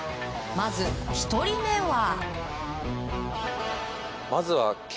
まず１人目は。